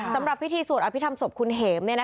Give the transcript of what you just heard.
สำหรับพิธีสวดอภิษฐรรศพคุณเห็ม